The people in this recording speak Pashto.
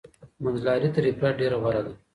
منځلاري تر افراط ډیره غوره ده.